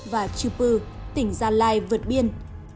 và chư pư tỉnh gia lai vượt biên